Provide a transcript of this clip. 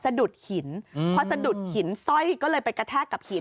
สะดุดหินพอสะดุดหินสร้อยก็เลยไปกระแทกกับหิน